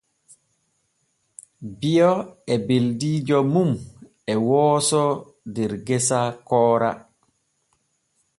Bio e beldiijo mum e wooso der gesa koora.